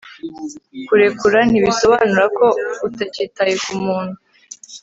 kurekura ntibisobanura ko utakitaye ku muntu